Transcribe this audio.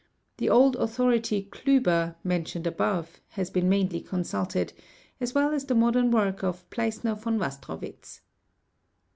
The old authority Kliiber, mentioned above, has been mainly consulted, as well "as the modern work of Pleissner von Wastrowitz.